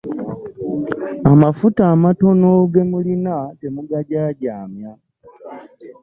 Amafuta amatono ge mulina temugajaajaamya.